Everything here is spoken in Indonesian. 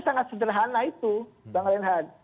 sangat sederhana itu bang renhat